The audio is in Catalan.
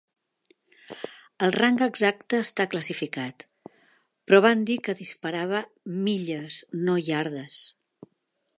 El rang exacte està classificat, però van dir que disparava "milles, no iardes".